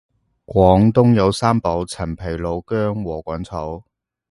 廣東有三寶陳皮老薑禾桿草